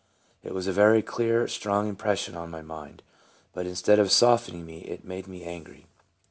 It was a very clear, strong impression on my mind, but instead of softening me it made me angry.